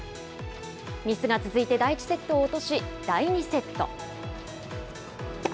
ミスが続いて、第１セットを落とし、第２セット。